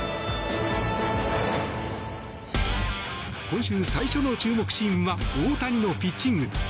今週最初の注目シーンは大谷のピッチング。